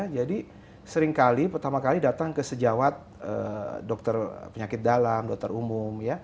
jadi seringkali pertama kali datang ke sejawat dokter penyakit dalam dokter umum